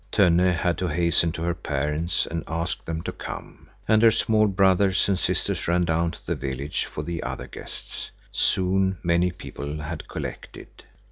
Tönne had to hasten to her parents and ask them to come. And her small brothers and sisters ran down to the village for the other guests. Soon many people had collected.